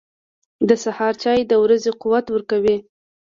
• د سهار چای د ورځې قوت ورکوي.